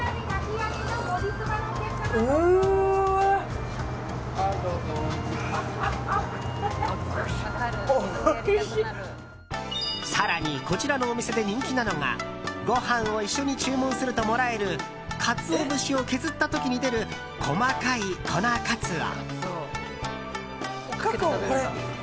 更にこちらのお店で人気なのが更にこちらのお店で人気なのがご飯を一緒に注文するともらえるカツオ節を削った時に出る細かい粉カツオ。